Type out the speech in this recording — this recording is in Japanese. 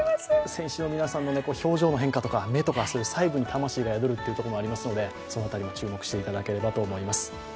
選手の皆さんの表情の変化とか目とか、そういう細部に魂が宿るところがありますのでその辺りも注目していただければと思います。